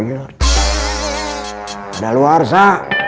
pada luar sa